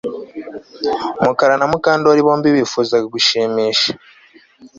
Mukara na Mukandoli bombi bifuzaga gushimisha